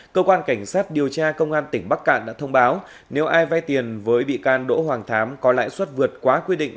cơ quan cảnh sát điều tra công an tỉnh bắc cạn đã thông báo nếu ai vay tiền với bị can đỗ hoàng thám có lãi suất vượt quá quy định